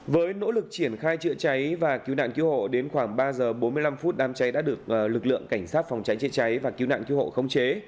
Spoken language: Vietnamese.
với nỗ lực triển khai chữa cháy và cứu nạn cứu hộ đến khoảng ba giờ bốn mươi năm phút đám cháy đã được lực lượng cảnh sát phòng cháy chữa cháy và cứu nạn cứu hộ khống chế